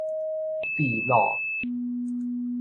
祕魯